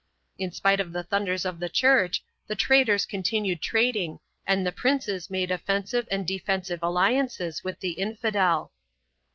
2 In spite of the thunders of the Church the traders continued trading and the princes made offensive and defensive alliances with the infidel.